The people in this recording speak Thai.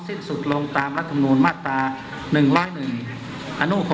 สิ้นสุดลงตามรัฐมนูลมาตรา๑๐๑อนุ๖